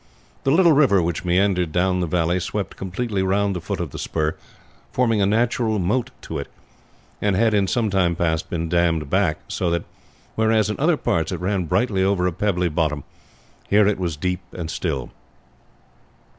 The little river which meandered down the valley swept completely round the foot of the spur, forming a natural moat to it, and had in some time past been dammed back, so that, whereas in other parts it ran brightly over a pebbly bottom, here it was deep and still.